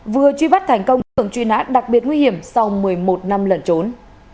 vừa truy bắt thành công tượng truy nã đặc biệt nguy hiểm sau một mươi một năm lẩn trốn